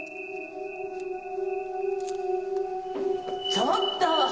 ちょっと！